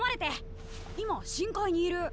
今深海にいる。